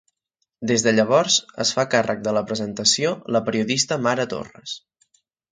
Des de llavors, es fa càrrec de la presentació la periodista Mara Torres.